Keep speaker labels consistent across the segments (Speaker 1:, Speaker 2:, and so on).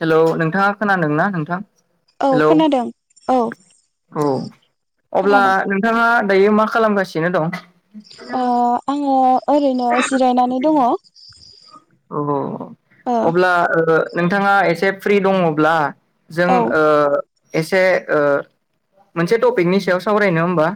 Speaker 1: Hello नोंथाङा खोनादोंना नोंथां?
Speaker 2: औ
Speaker 1: हेलौ
Speaker 2: खोनादों। औ
Speaker 1: औ अब्ला
Speaker 2: खोनादों
Speaker 1: नोंथाङा दायो मा खालामगासिनो दं?
Speaker 2: आङो ओरैनो जिरायनानै दङ।
Speaker 1: अ
Speaker 2: ओ
Speaker 1: अब्ला ओ नोंथाङा एसे फ्रि दङब्ला जों
Speaker 2: औ
Speaker 1: ओ एसे ओ मोनसे टपिकनि सायाव सावरायनो होमबा?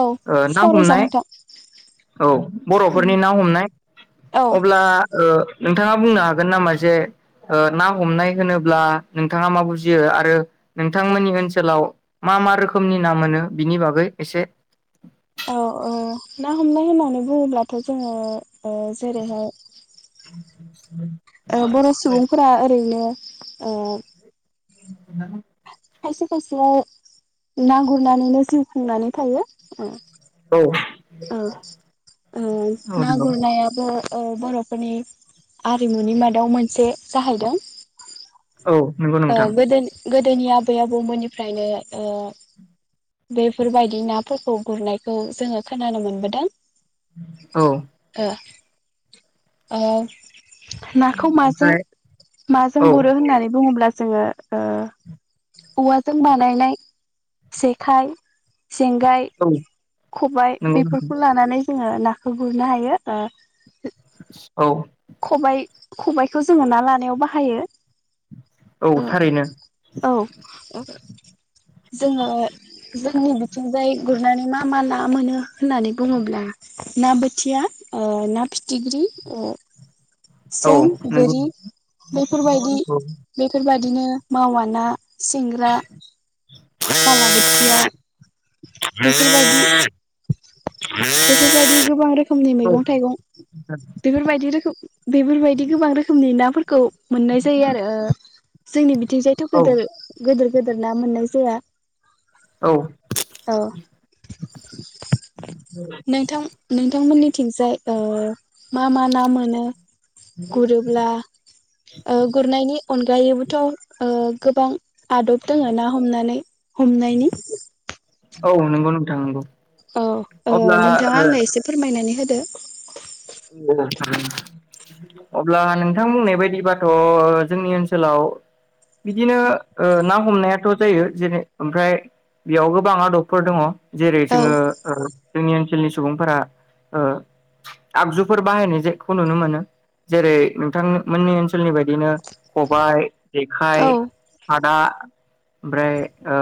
Speaker 2: औ
Speaker 1: ना
Speaker 2: सावरायजा
Speaker 1: हमनाय,
Speaker 2: नोंथां
Speaker 1: औ
Speaker 2: उम
Speaker 1: बर'फोरनि ना हमनाय
Speaker 2: औ
Speaker 1: दा ओ नोंथाङा बुंनो हागोन नामा जे ना हमनाय होनोब्ला नोंथाङा मा बुजियो? आरो नोंथांमोननि ओनसोलाव मा मा रोखोमनि ना मोनो बिनि बागै एसे
Speaker 2: अ' अ' ना हमनाय होननानै बुङोब्लाथ' जोङो जेरैहाय
Speaker 1: [unintelligible]
Speaker 2: बर' सुबुंफोरा ओरैनो ओ
Speaker 1: [unintelligible]
Speaker 2: खायसे खायसेया ना गुरनानैनो जिउ खुंनानै थायो ।
Speaker 1: औ
Speaker 2: ओ ओ
Speaker 1: औ
Speaker 2: ना
Speaker 1: नंगौ
Speaker 2: गुरनायाबो ओ बर'फोरनि आरिमुनि मादाव मोनसे जाहैदों।
Speaker 1: औ नंगौ नोंथां।
Speaker 2: दोनि आबै आबौमोननिफ्रायनो ओ बेफोरबायदि नाफोरखौ गुरनायखौ जोङो खोनानो मोनबोदों।
Speaker 1: औ
Speaker 2: ओ ओ नाखौ माजों
Speaker 1: ओमफ्राय
Speaker 2: माजों
Speaker 1: औ
Speaker 2: गुरो होननानै बुङोब्ला जोङो ओ औवाजों बानायनाय जेखाइ, जेंगाय
Speaker 1: औ
Speaker 2: खबाय
Speaker 1: नंगौ नोंथां
Speaker 2: बेफोरखौ लानानै जोङो ना गुरनो हायो ओ
Speaker 1: औ
Speaker 2: खबइ खबाइखौ जोङो ना लानायाव बाहायो।
Speaker 1: औ
Speaker 2: ओ
Speaker 1: थारैनो।
Speaker 2: औ जोङो जोंनि बिथिंजाय गुरनानै मा मा ना मोनो होननानै बुङोब्ला ना बोथिया, ओ ना फिथिख्रि ओ
Speaker 1: औ
Speaker 2: सें,
Speaker 1: नंगौ
Speaker 2: गोरि
Speaker 1: औ
Speaker 2: बेफोरबायदि बेफोरबायदि बिदिनो मावया ना सिंग्रा बालाबोथिया बेफोरबायदि
Speaker 1: [inaudible]
Speaker 2: बेफोरबायदि गोबां रोखोमनि मैगं थाइगं बेफोरबायदि रोखोम बेफोरबायदि गोबां रोखोमनि नाफोर खौ मोननाय जायो आरो ओ जोंनि बिथिंजायथ'
Speaker 1: औ
Speaker 2: गोदो गोदो गोेदोर ना मोननाय जाया।
Speaker 1: औ।
Speaker 2: औ नोंथां नोंथां मोननिथिंजाय ओ मा मा ना मोनो? गुरोब्ला ओ गुरनायनि अनगायैबोथ' ओ गोबां आदब दोङो ना हमनानै हमनायनि।
Speaker 1: औ नंगौ नोंथां नंगौ।
Speaker 2: औ ओ
Speaker 1: अब्ला
Speaker 2: नोंथाङा आंनो
Speaker 1: औ
Speaker 2: एसे फोरमायनानै होदो।
Speaker 1: अब्ला नोंथां बुंनाय बायदिबाथ' जोंनि ओनसोलाव बिदिनो ओ ना हमनायाथ' जायो जेरै ओमफ्राय बेयाव गोबां आदबफोर दङ। जेरै
Speaker 2: औ
Speaker 1: जोङो ओ जोंनि ओनसोलनि सुबुंफोरा ओ आगजुफोर बाहायनाय जेखौ नुनो मोनो जेरै नोंथां मोननि ओनसोलनि बायदिनो खबाय। जेखाइ,
Speaker 2: औ
Speaker 1: खादा ओमफ्राय ओ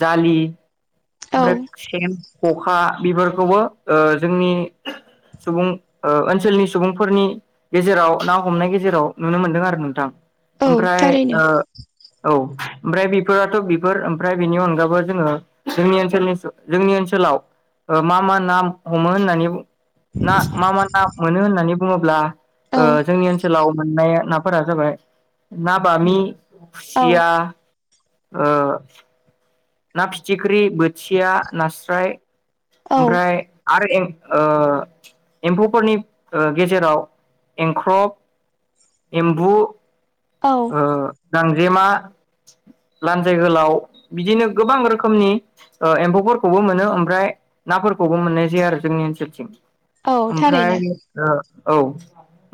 Speaker 1: जालि। ओमफ्राय
Speaker 2: औ
Speaker 1: सेन। ख'खा बेफोरखौबो ओ जोंनि सुबुं ओ ओनसोलनि सुबुंफोरनि गेजेराव ना हमनाय गेजेराव नुनो मोनदों आरो नोंथां।
Speaker 2: औ
Speaker 1: ओमफ्राय
Speaker 2: थारैनो
Speaker 1: ओ औ। ओमफ्राय बेफोराथ' बेफोर ओमफ्राय बेनि अनगाबो जोङो जोंनि ओनसोलनि जोंनि ओनसोलाव मा मा ना हमो होननानै मा मा ना मोनो होननानै बुङोब्ला
Speaker 2: औ
Speaker 1: ओ जोंनि ओनसोलाव मोननाया नाफोरा जाबाय ना बामि
Speaker 2: औ
Speaker 1: खुसिया ओ ना फिथिख्रि, बोथिया, नास्राय।
Speaker 2: औ
Speaker 1: ओमफ्राय आरो एम ओ एम्फौफोरनि गेजेराव एंख्रब, एम्बु
Speaker 2: औ
Speaker 1: ओ गां जेमा लानजाय गोलाव बिदिनो गोबां रोखोमनि एम्फौफोरखौबो मोनो ओमफ्राय। नाफोरखौबो मोननाय जायो आरो जोंनि ओनसोलथिं।
Speaker 2: औ
Speaker 1: ओमफ्राय
Speaker 2: थारैनो
Speaker 1: ओ औ।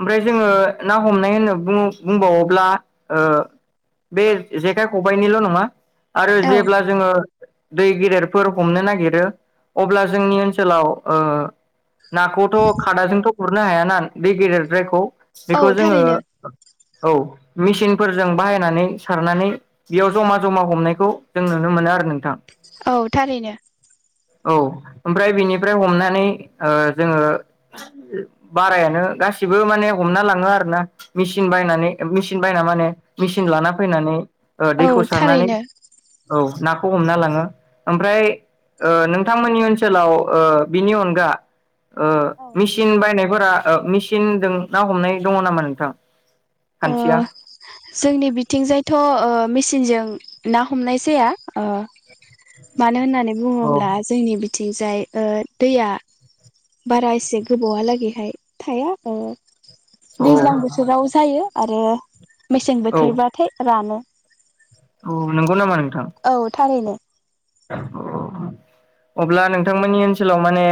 Speaker 1: ओमफ्राय जोङो ना हमनाय होनो बुङो बुंबावोब्ला ओ बे जेखाइ खबायनिल' नङा। आरो
Speaker 2: औ
Speaker 1: जेब्ला जोङो दै गेदेरफोर हमनो नागिरो। अब्ला जोंनि ओनसोलाव ओ नाखौथ' खादाजोंथ' उरनो हायान बे गेदेरद्रायखौ बेखौ
Speaker 2: औ
Speaker 1: जोङो
Speaker 2: थारैनो
Speaker 1: औ मेसिनफोरजों बाहायनानै सारनानै बेयाव जमा-जमा हमनायखौ जों नुनो मोनो आरो। नोंथां
Speaker 2: औ थारैनो।
Speaker 1: औ ओमफ्राय बिनिफ्राय हमनानै ओ जोङो बारायानो गासिबो माने हमना लाङो आरोना मेसिन बायनानै मेसिन बायना माने मेसिन लाना फैनानै ओ
Speaker 2: औ
Speaker 1: दैखौ सारनानै
Speaker 2: थारैनो
Speaker 1: औ ना खौ हमनालाङो ओमफ्राय ओ नों नोंथांमोननि ओनसोलाव ओ बिनि अनगा ओ
Speaker 2: औ
Speaker 1: मेसिन बायनायफोरा ओ मेसिनजों ना हमनाय दङ नामा नोंथां।
Speaker 2: ओ
Speaker 1: खान्थिया
Speaker 2: जोंनि बिथिंजायथ'ओ मिसि सिनजों ना हमनाय जाया ओ मानो होननानै
Speaker 1: औ
Speaker 2: बुङोब्ला जोंनि थिंजाय ओ दैया बारा एसे गोबावहालागैहाय थाया ओ
Speaker 1: औ
Speaker 2: दैज्लां बोथोराव जायो। आरो मेसें बोथोरबाथाय रानो‌।
Speaker 1: अ नोंगौ नामा नों
Speaker 2: औ थारैनो।
Speaker 1: अब्ला नोंथांमोननि ओनसोलाव माने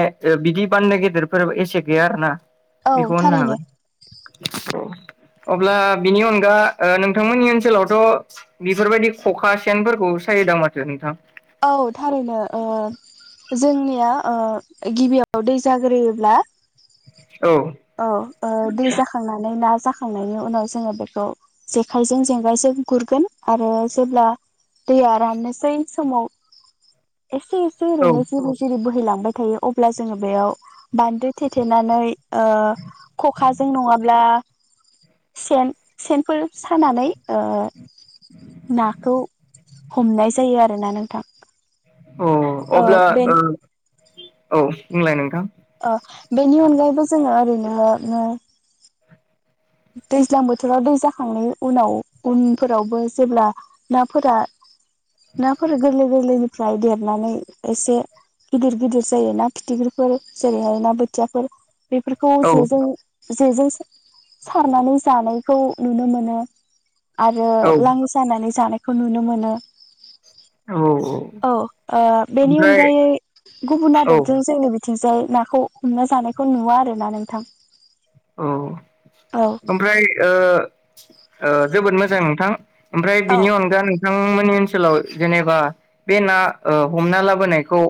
Speaker 1: बिदि बान्दो गेदेरफोर एसे गैया आरोना ।
Speaker 2: औ
Speaker 1: बेखौ होननो
Speaker 2: थारैनो
Speaker 1: हागोन। अब्ला बिनि अनगा ओ नोंथांमोननि ओनसोलावथ' बेफोरबायदि खखा सेनफोरखौ सायोदां माथो नोंथां।
Speaker 2: औ थारैनो ओ जोंनिया ओ गिबियाव दै जाग्रोयोब्ला
Speaker 1: औ
Speaker 2: औ दै जाखांनानै ना जाखांनायनि उनाव जोङो बेखौ जेखायजों जेंगायजों गुरगोन आरो जेब्ला दैया राननोसै समाव एसे एसे
Speaker 1: औ
Speaker 2: ओरैनो जिरि जिरि बोहैलाङो। बाय थायो अब्ला जोङो बेयाव बान्दो थेथेनानै ओ खखाजों नङाब्ला सेन सेनफोर सानानै ओ नाखौ हमनाय जायो आरोना नोंथां।
Speaker 1: अ
Speaker 2: ओ
Speaker 1: अब्ला ओ
Speaker 2: बेनि
Speaker 1: औ बुंलाय नोंथां।
Speaker 2: ओ बेनि अनगायैबो जोङो ओरैनो नो दैज्लां बोथोराव दै जाखांनाय उनाव उनफोरावबो जेब्ला नाफोरा नाफोर गोरलै गोरलैनिफ्राय देरनानै एसे गिदिर गिदिर जायो ना फिथिख्रिफोर जेरैहाय ना बोथियाफोर बेफोरखौ
Speaker 1: औ
Speaker 2: जे जों जे जोंसो सारनानै जानायखौ नुनो मोनो। आरो
Speaker 1: औ
Speaker 2: लाङि सानानै जानाय खौ नुनो मोनो।
Speaker 1: औ
Speaker 2: औ ओ बेनि
Speaker 1: ओमफ्राय
Speaker 2: अनगायै गुबुन
Speaker 1: औ
Speaker 2: आदबजों जोंनि बि थिंजाय नाखौ हमना जानायखौ नुवा आरो ना नोंथां।
Speaker 1: औ
Speaker 2: औ
Speaker 1: ओमफ्राय ओ ओ जोबोद मोजां नोंथां। ओमफ्राय
Speaker 2: औ
Speaker 1: बिनि अनगा नों थां मोननि ओनसोलाव जेनेबा बे ना ओ हमना लाबोनायखौ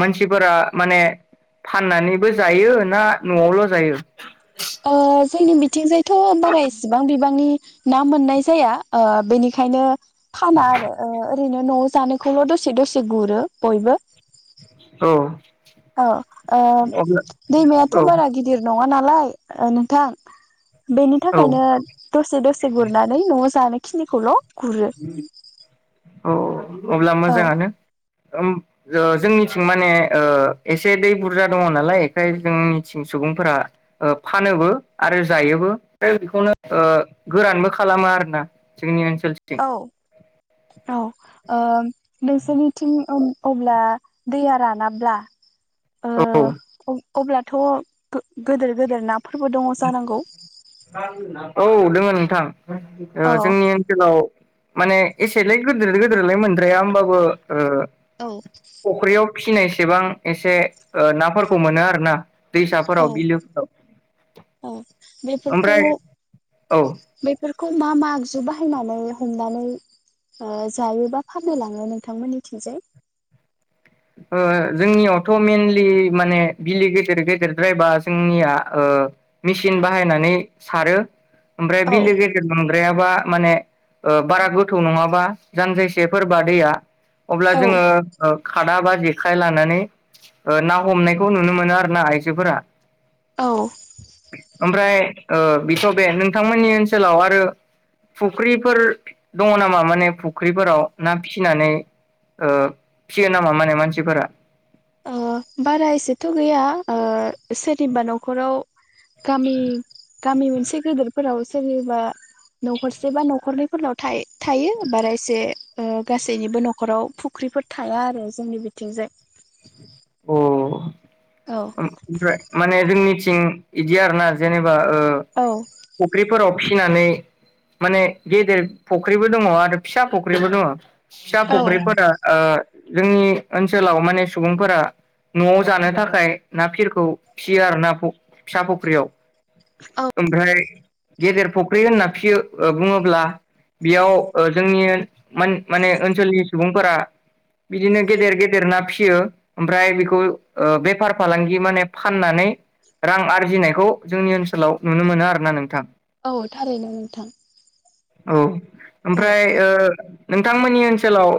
Speaker 1: मानसिफोरा माने फाननानैबो जायो ना न'आवल' जायो?
Speaker 2: ओ जोंनि बिथिंजाय थ' बारा इसिबां बिबांनि ना मोननाय जाया ओ बेनिखायनो फाना आरो ओ ओ रैनो न'आव जानायखौल' दसे दसे गुरो बयबो।
Speaker 1: औ
Speaker 2: औ ओ
Speaker 1: अब्ला
Speaker 2: दैमायाथ'
Speaker 1: औ
Speaker 2: बारा गिदिर नङा ना लाय ओ नोंथां। बेनि
Speaker 1: औ
Speaker 2: थाखायनो दसे दसे गुरनानै न'आव जानाय खिनिखौल' गुरो।
Speaker 1: औ अब्ला
Speaker 2: औ
Speaker 1: मोजाङानो। ओम जो-जोंनिथिं माने ओ एसे दै बुरजा दङ नालाय एखायनो जोंनिथिं सुबुंफोरा ओ फानोबो आरो जायोबो। बेखौनो गोरानबो खालामो आरोना जोंनि ओनसो सोलस थिं।
Speaker 2: औ औ ओ नोंसोरनिथिं ओम अब्ला दैया रानाब्ला
Speaker 1: औ
Speaker 2: ओ अब्लाथ' गो-गोदोर गोदोर ना
Speaker 1: औ दोङो नोंथां।
Speaker 2: औ
Speaker 1: ओ जोंनि ओनसोलाव माने एसेलाय गोदोर गोदोरलाय मोनद्राया ओमबाबो
Speaker 2: औ
Speaker 1: फिसिनाय‌ सेबां एसे नाफोरखौ मोनो आरो ना।
Speaker 2: औ
Speaker 1: दैसाफोराव बिलोफोराव
Speaker 2: औ बेफोरखौ
Speaker 1: ओमफ्राय
Speaker 2: बे
Speaker 1: औ ओ
Speaker 2: बेफोरखौ मा-मा आगजु बाहायनानै हमनानै जायो बा फाननो लाङो नोंथांमोननिथिंजाय।
Speaker 1: जोंनियावथ मेनलि माने बिलि गेदेर गेदेरद्रायबा जोंनिया मेसिन बाहायनानै सारो ओमफ्राय
Speaker 2: औ
Speaker 1: बिलो गेदेर नंद्रायाबा माने बारा गोथौ नङाबा जानजायसेफोरबा दैया अब्ला
Speaker 2: औ
Speaker 1: जोङो खादा बा जेखाय लानानै ना हमनायखौ नुनो मोनो आरो ना आइजोफोरा। ओमफ्राय ओ बेथ बे नोंथांमोननि ओनसोलाव आरो फुख्रिफोर दङ नामा माने फुख्रिफोराव ना फिसिनानै ओ। फिसियो नामा माने मानसिफोरा
Speaker 2: बारा एसेथ गैया सोरनिबा न'खराव गामि गामि मोनसे गेदेरफोराव सोरनिबा न'खरसे बा न'खरनैफोरनाव थायो बारा एसे गासैनिबो न'खराव फुख्रिफोर थाया आरो जोंनि बिथिंजाय।
Speaker 1: अ
Speaker 2: औ
Speaker 1: ओमफ्राय माने जोंनिथिं जों बिदि आरो ना जेनेबा आ ओ
Speaker 2: औ
Speaker 1: फुख्रिफोराव फिसिनानै माने गेदेर फुख्रिबो दङ आरो फिसा फुख्रिबो दङ। फिसा
Speaker 2: औ
Speaker 1: फुख्रिफोर आ जोंनि ओनसोलाव माने सुबुंफोरा न'आव जानो थाखाय ना फिरखौ फियो आरो ना फिसा फुख्रियाव। ओमफ्राय गेदेर फुख्रि होनना फियो बुङोब्ला बेयाव जोंनि ओन मान माने ओनसोलनि सुबुं फोरा बिदिनो गेदेर गेदेर ना फिसियो। ओमफ्राय बेखौ बेफार फालांगि माने फाननानै रां आरजिनायखौ जोंनि ओनसोलाव नुनो मोनो आरो ना नोंथां।
Speaker 2: औ थारैनो नोंथां।
Speaker 1: औ
Speaker 2: औ
Speaker 1: ओमफ्राय ओ नोंथांमोननि ओनसोलाव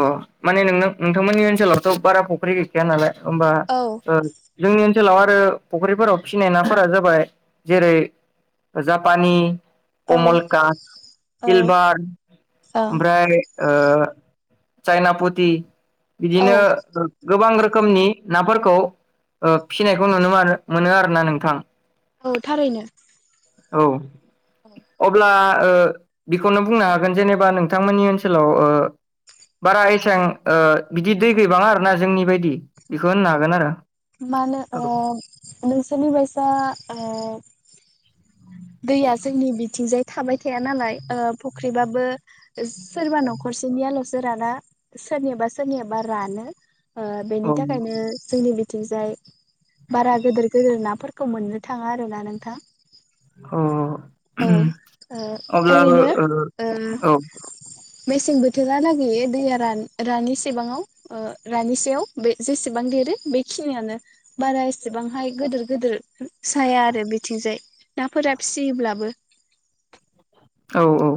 Speaker 1: ओ माने नोंथांमोननि ओनसोलावथ बारा फुख्रि गैखाया नालाय। होमबा
Speaker 2: औ
Speaker 1: ओ जोंनि ओन ओनसोलाव आरो फुख्रिफोराव फिसिनाय नाफोरा जाबाय जेरै जाफ पानि
Speaker 2: औ
Speaker 1: कमलकात
Speaker 2: औ
Speaker 1: सिलभार
Speaker 2: ओं
Speaker 1: ओमफ्राय ओ चायना पुति
Speaker 2: औ
Speaker 1: बिदिनो गोबां रोखोम रोखोमनि नाफोरखौ फिसिनायखौ नुनो मोनो आरो ना नोंथां।
Speaker 2: औ थारैनो।
Speaker 1: औ। अब्ला ओ बिखौनो बुंनो हागोन जेनेबा नोंथांमोननि ओनसोलाव ओ बारा एसां ओ बिदि दै गैबाङा आरोना जोंनि बायदि बेखौ होननो
Speaker 2: औ
Speaker 1: हागोन आरो
Speaker 2: मा होनो ओ नोंसोरनि बायसा ओ दैया जोंनि बिथिंजाय थाबाय थाया नालाय ओ फुख्रिबाबो सोरबा न'खरसेनियाल'सो राना सोरनियाबा सो-रनियाबा रानो ओ
Speaker 1: औ
Speaker 2: बेनि थाखायनो जोंनि [unintelligible] बारा गोदोर -गोदोर नाफोर [unintelligible] मोननो थाङा आरो ना नोंथां।
Speaker 1: अ
Speaker 2: औ ओ
Speaker 1: अब्लाबो
Speaker 2: ओरैनो
Speaker 1: ओ औ।
Speaker 2: मेसें बोथोरा लागि दैया रान -रानिसेबाङाव ओ रानिसेयाव बे जेसेबां देरो बेखिनियानो बारा एसेबांहाय गोदोर- गोदोर [unintelligible] साया आरो बिथिंजाय नाफोरा [unintelligible]
Speaker 1: औ औ।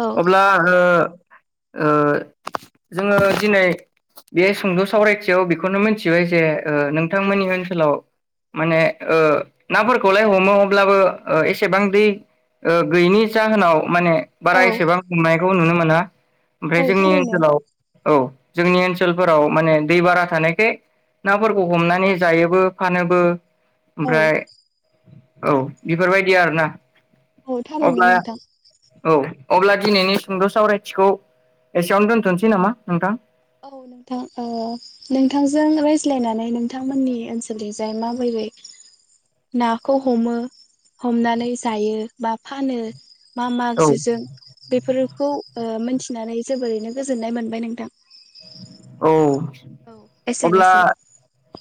Speaker 2: औ
Speaker 1: अब्ला ओ ओ जोङो दिनै बे सुंद' सावरायथियाव बेखौनो मोनथिबाय जे ओ नोंथांमोननि ओनसोलाव माने ओ नाफोरखौलाय हमो अब्लाबो ओ एसेबां दै ओ गैयिनि जाहोनाव माने बारा
Speaker 2: औ
Speaker 1: एसेबां हमनायखौ नुनो मोना ओमफाय
Speaker 2: औ
Speaker 1: जोंनि
Speaker 2: थारैनो
Speaker 1: ओनसोलाव औ जोंनि ओनसोलफोराव माने दै बारा थानायखाय नाफोरखौ हमनानै जायोबो फानोबो
Speaker 2: औ
Speaker 1: ओमफ्राय औ बिफोरबायदि आरोना
Speaker 2: ओ थारैनो
Speaker 1: अब्ला
Speaker 2: नोंथां।
Speaker 1: औ। अब्ला दिनैनि सुंद' सावरायथिखौ एसेयावनो दोनथ'नोसै नामा नोंथां?
Speaker 2: औ नोंथां ओ नोंथांजों रायज्लायनानै नोंथांमोननि ओनसोलनिजाय माबोरै नाखौ हमो, हमनानै जायो बा फानो मा -मा
Speaker 1: औ
Speaker 2: आगजुजों बेफोरखौ ओ मोनथि [unintelligible] जोबोरैनो गोजोननाय मोनबाय नोंथां।
Speaker 1: औ।
Speaker 2: औ
Speaker 1: अब्ला
Speaker 2: एसेनोसै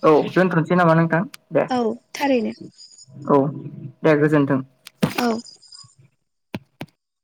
Speaker 1: औ दोनथ'नो सै नामा नोंथां। दे
Speaker 2: औ थारैनो
Speaker 1: औ। दे गोजोनथों।
Speaker 2: औ।